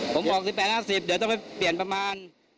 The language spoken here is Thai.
ผมออก๑๘๕๐เดี๋ยวต้องไปเปลี่ยนประมาณ